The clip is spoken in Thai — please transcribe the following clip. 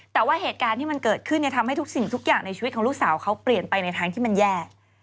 แต่ว่าเหตุการณ์ที่มันเกิดขึ้นทำให้ทุกสิ่งทุกอย่างในชีวิตของลูกสาวเขาเปลี่ยนไปในทางที่มันแย่